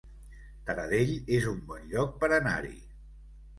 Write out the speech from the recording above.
Taradell es un bon lloc per anar-hi